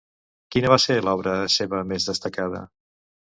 Quina va ser l'obra seva més destacada?